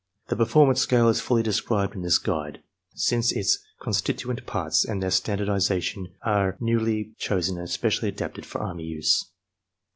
The performance scale is fully described in this guide, since its constituent parts and their standardization are newly chosen and especially adapted for army use.